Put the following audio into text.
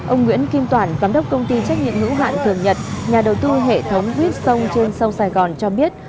ông nguyễn kim toản giám đốc công ty trách nhiệm hữu hạn thường nhật nhà đầu tư hệ thống wit sông trên sông sài gòn cho biết